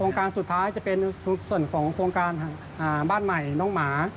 การสุดท้ายจะเป็นส่วนของโครงการบ้านใหม่น้องหมา